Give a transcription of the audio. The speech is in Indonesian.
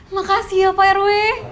makasih ya pak rw